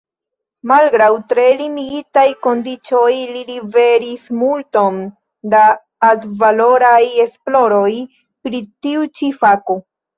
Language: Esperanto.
Malgraŭ tre limigitaj kondiĉoj li liveris multon da altvaloraj esploroj pri tiu ĉi fako.